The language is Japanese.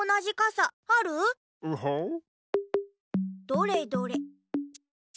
どれどれ？